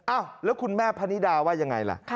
อ้าวแล้วคุณแม่พะนิดาว่ายังไงล่ะ